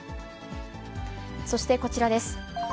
そして、こちらです。